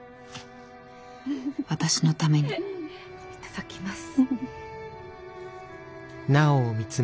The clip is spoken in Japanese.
私のためにいただきます。